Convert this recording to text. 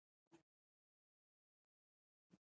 یاقوت د افغانستان د چاپیریال ساتنې لپاره مهم دي.